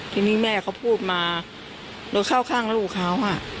ทีนี้แม่เขาพูดมาโดยเข้าข้างลูกเขา